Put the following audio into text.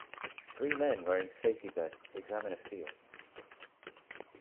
Three men wearing safety vests examine a field.